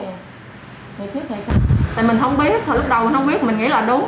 tại mình không biết lúc đầu mình không biết mình nghĩ là đúng